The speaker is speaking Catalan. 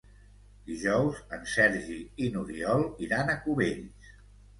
Dijous en Sergi i n'Oriol iran a Cubells.